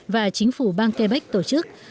và chính phủ bang quebec tổ chức